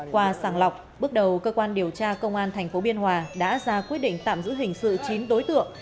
qua sàng lọc bước đầu cơ quan điều tra công an tp biên hòa đã ra quyết định tạm giữ hình sự chín đối tượng